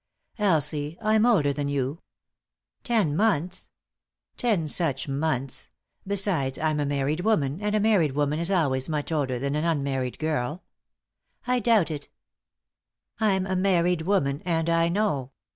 " Elsie, I'm older than you "" Ten months." " Ten such months. Besides, I'm a married woman, and a married woman is always much older than an un married girl." "I doubt it" " I'm a married woman, and I know.